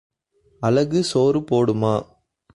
அழகு சோறு போடுமா?